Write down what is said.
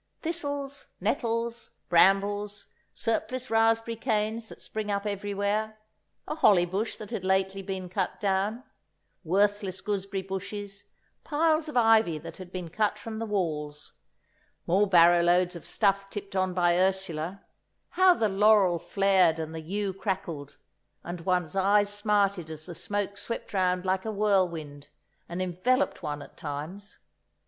Thistles, nettles, brambles, surplus raspberry canes that spring up everywhere, a holly bush that had lately been cut down, worthless gooseberry bushes, piles of ivy that had been cut from the walls, more barrow loads of stuff tipped on by Ursula—how the laurel flared and the yew crackled, and one's eyes smarted as the smoke swept round like a whirlwind and enveloped one at times!